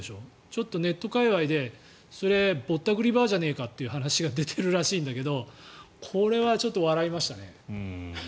ちょっとネット界わいでそれ、ぼったくりバーじゃねえかっていう話が出ているらしいんですけどこれはちょっと笑いましたね。